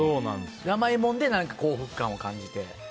甘いもので幸福感を感じて？